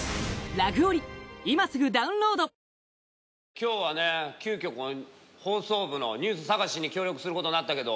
今日はね急きょ放送部のニュース探しに協力することになったけど。